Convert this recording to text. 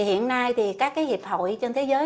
hiện nay các dịp hội trên thế giới